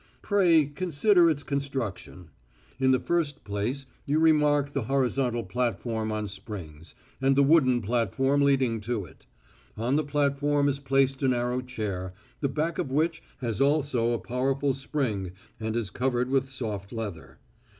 Pray consider its construction. In the first place you remark the horizontal platform on springs, and the wooden platform leading to it. On the platform is placed a narrow chair, the back of which has also a powerful spring and is covered with soft leather.